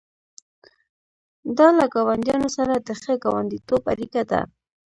دا له ګاونډیانو سره د ښه ګاونډیتوب اړیکه ده.